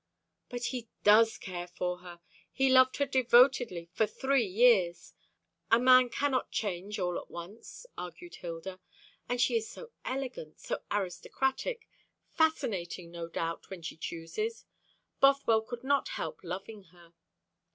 "But he does care for her. He loved her devotedly for three years. A man cannot change all at once," argued Hilda; "and she is so elegant, so aristocratic fascinating, no doubt, when she chooses. Bothwell could not help loving her."